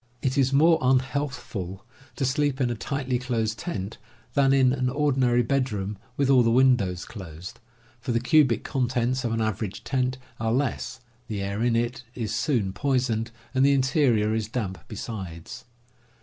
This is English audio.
It is more unhealthful to sleep in a tightly closed tent than in an ordinary bedroom with all the windows closed, for the cubic contents of an average tent are less, the air in it is soon poisoned, and the interior is damp besides.